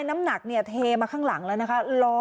ไหนน้ำหนักเทมาข้างหลังแล้วนะคะ